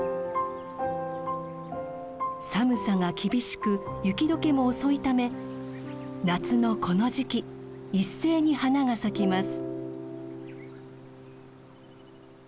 寒さが厳しく雪解けも遅いため夏のこの時期一斉に花が咲きます。